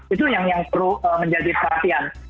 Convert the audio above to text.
itu yang perlu menjadi perhatian